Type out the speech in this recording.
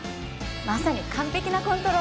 まさに完璧なコントロール！